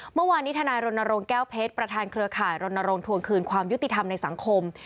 เมื่อวานนี้ทนายรณรงค์แก้วเพชรประธานเครือข่ายรณรงค์ทวงคืนความยุติธรรมในสังคม